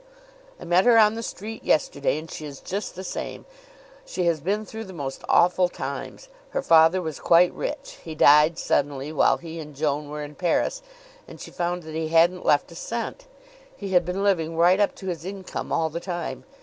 I met her on the street yesterday, and she is just the same. She has been through the most awful times. Her father was quite rich; he died suddenly while he and Joan were in Paris, and she found that he hadn't left a cent. He had been living right up to his income all the time.